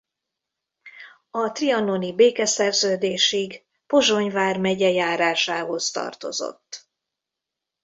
A trianoni békeszerződésig Pozsony vármegye járásához tartozott.